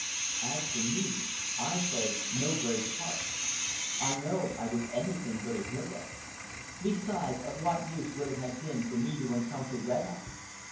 As for me, I played no brave part. I know I was anything but a hero. Besides, of what use would it have been for me to encounter Red Eye?